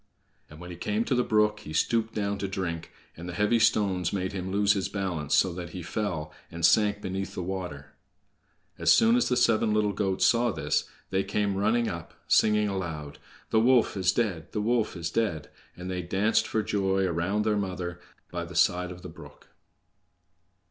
And when he came to the brook he stooped down to drink, and the heavy stones made him lose his balance so that he fell, and sank beneath the water. As soon as the seven little goats saw this, they came running up, singing aloud, "The wolf is dead! the wolf is dead!" and they danced for joy around their mother by the side of the brook.